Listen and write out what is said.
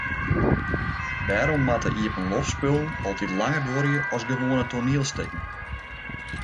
Wêrom moatte iepenloftspullen altyd langer duorje as gewoane toanielstikken?